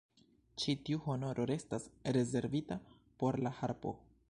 Ĉi tiu honoro restas rezervita por la harpo.